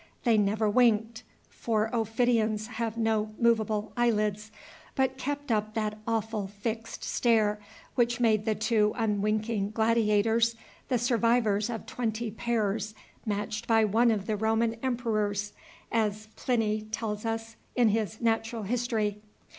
They never winked, for ophidians have no movable eyelids, but kept up that awful fixed stare which made the two unwinking gladiators the survivors of twenty pairs matched by one of the Roman Emperors, as Pliny tells us, in his "Natural History."